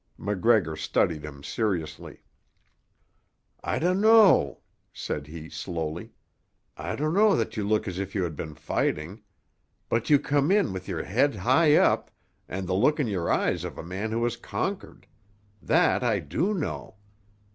MacGregor studied him seriously. "I donno," said he slowly. "I donno that you look as if you had been fighting. But you come in with your head high up, and the look in your eyes of a man who has conquered. That I do know.